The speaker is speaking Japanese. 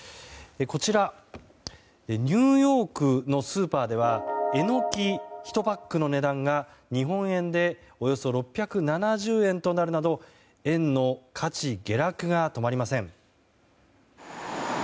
こちらニューヨークのスーパーではエノキ１パックの値段が日本円でおよそ６７０円となるなど円の価値下落が止まりません。